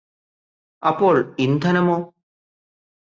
അപ്പോൾ ഇന്ധനമോ